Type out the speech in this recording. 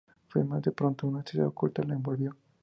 Mas, de pronto, una tristeza oculta lo envolvió.